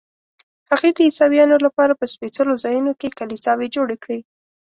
هغې د عیسویانو لپاره په سپېڅلو ځایونو کې کلیساوې جوړې کړې.